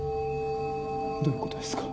どういう事ですか？